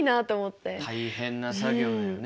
大変な作業だよね。